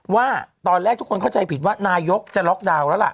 ว่าตอนแรกทุกคนเข้าใจผิดว่านายกจะล็อกดาวน์แล้วล่ะ